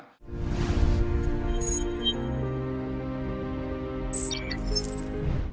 bagaimana kebijakan kebijakan moneter dan makro budaya serta komodatif